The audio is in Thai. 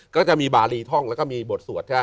ก็จะมีบาลีท่องและมีบทสวด